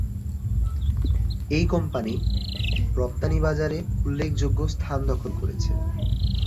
এই কোম্পানি রপ্তানি বাজারে উল্লেখযোগ্য স্থান দখল করেছে।